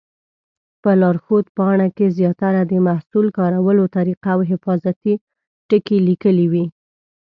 په لارښود پاڼه کې زیاتره د محصول کارولو طریقه او حفاظتي ټکي لیکلي وي.